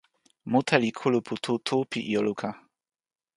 mute li kulupu tu tu pi ijo luka.